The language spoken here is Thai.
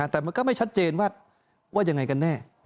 แต่มันก็ไม่ชัดเจนว่ายังไงกันแน่